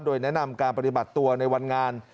โดยแนะนำการปฏิบัติตัวในวันงาน